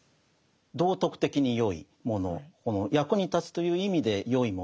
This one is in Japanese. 道徳的に善いもの役に立つという意味で善いもの